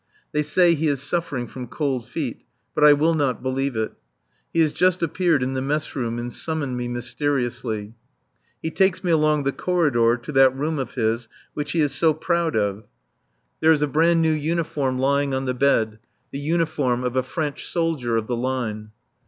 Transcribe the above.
They say he is suffering from cold feet. But I will not believe it. He has just appeared in the mess room and summoned me mysteriously. He takes me along the corridor to that room of his which he is so proud of. There is a brand new uniform lying on the bed, the uniform of a French soldier of the line.